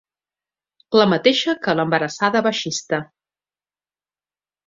La mateixa que l'Embarassada baixista.